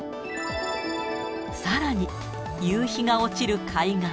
さらに、夕日が落ちる海岸。